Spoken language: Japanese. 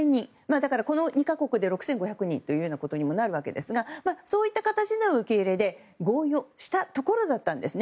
だから、この２か国で６５００人となるわけですがそういった形の受け入れで合意をしたところだったんですね。